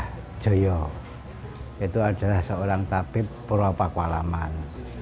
mbah joyo itu adalah seorang tabib pulau pakalaman